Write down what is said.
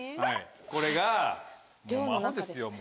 これがアホですよ